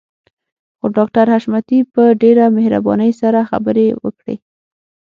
خو ډاکټر حشمتي په ډېره مهربانۍ سره خبرې وکړې.